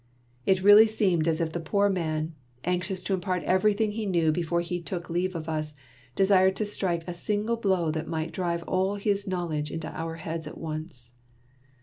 It really seemed as if the poor man, anxious to impart everything he knew before he took leave of us, desired to strike a single blow that might drive all his knowledge into our heads at once.